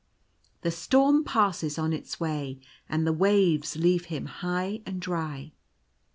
The storm passes on its way and the waves leave him high and dry.